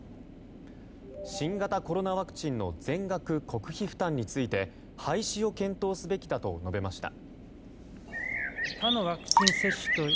新型コロナワクチンの全額国費負担について廃止を検討すべきだと述べました。